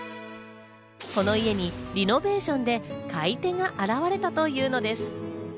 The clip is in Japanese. この家にリノベーションで買い手が現れたというのです。